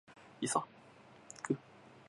いさ